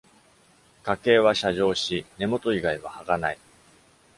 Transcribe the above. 花茎は斜上し、根本以外は葉がない。